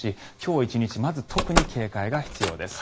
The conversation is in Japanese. １日まず特に警戒が必要です。